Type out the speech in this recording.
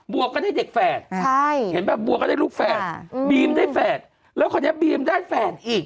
บัวก็ได้เด็กแฟนบัวก็ได้ลูกแฟนบีมได้แฟนแล้วขอแนะบีมได้แฟนอีก